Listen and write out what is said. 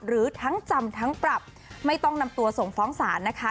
หรือทั้งจำทั้งปรับไม่ต้องนำตัวส่งฟ้องศาลนะคะ